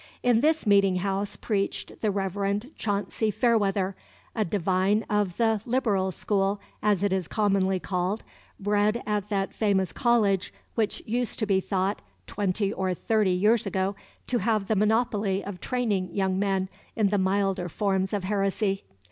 In this meeting house preached the Reverend Chauncy Fairweather, a divine of the "Liberal" school, as it is commonly called, bred at that famous college which used to be thought, twenty or thirty years ago, to have the monopoly of training young men in the milder forms of heresy.